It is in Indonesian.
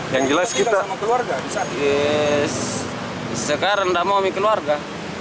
yang jelas kita sekarang tidak mau memiliki keluarga